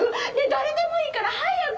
誰でもいいから早く！